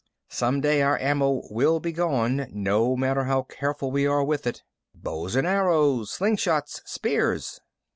"Some day our ammo will be gone, no matter how careful we are with it." "Bows and arrows. Slingshots. Spears."